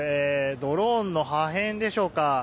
ドローンの破片でしょうか。